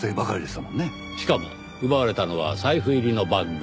しかも奪われたのは財布入りのバッグ。